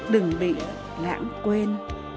đừng bị lãng quên